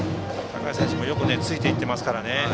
高橋選手もよくついていってますからね。